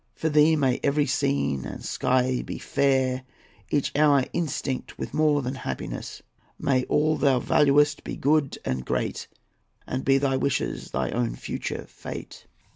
For thee may every scene and sky be fair, Each hour instinct with more than happiness! May all thou valuest be good and great, And be thy wishes thy own future fate!"